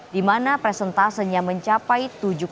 di mana presentasenya mencapai tujuh puluh lima